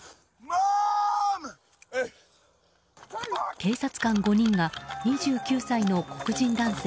警察官５人が２９歳の黒人男性